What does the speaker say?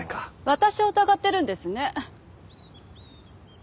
私を疑ってるんですね？